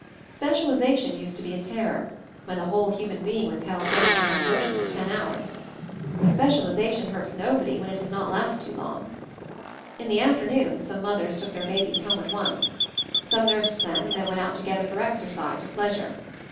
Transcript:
Specialization used to be a terror, when a whole human being was held down to one inotion for ten hours. But specialization ( hurts nobody when it does not last too long. MOVING THE MOUNTAIN 211 In the afternoons some mothers took their babies home at once. Some nursed them and then went out together for exercise or pleasure.